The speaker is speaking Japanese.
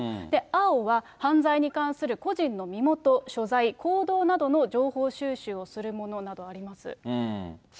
青は犯罪に関する個人の身元、所在、行動などの情報収集をするものなどあります。